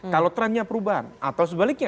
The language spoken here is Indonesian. kalau trendnya perubahan atau sebaliknya